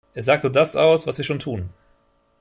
Es sagt nur das aus, was wir schon tun.